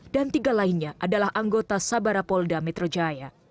dan tiga lainnya adalah anggota sabara polda metro jaya